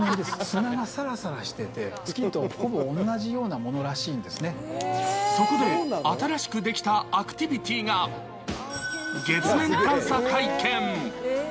砂がさらさらしてて、月とほぼ同じようなものらしいんそこで、新しく出来たアクティビティーが、月面探査体験。